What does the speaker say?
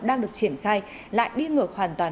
đang được triển khai lại đi ngược hoàn toàn